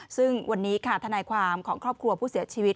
ซึ่งวันนี้ค่ะทนายความของครอบครัวผู้เสียชีวิต